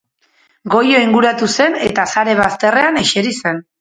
Goio inguratu zen eta sare bazterrean eseri zen.